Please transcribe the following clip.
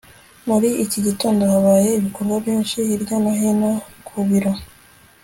muri iki gitondo habaye ibikorwa byinshi hirya no hino ku biro